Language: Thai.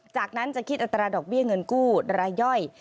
จากนั้นจะคิดอัตราดอกเบี้ยเงินกู้รายย่อย